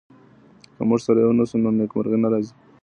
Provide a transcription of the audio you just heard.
که موږ سره يو نه سو نو نېکمرغي نه راځي.